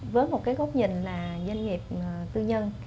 với một cái góc nhìn là doanh nghiệp tư nhân